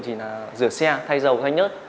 chỉ là rửa xe thay dầu thay nhớt